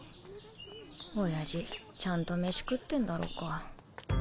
おやじちゃんと飯食ってんだろうか。